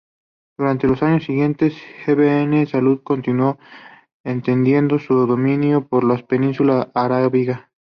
Durante los años siguientes, Ibn Saúd continuó extendiendo su dominio por la Península arábiga.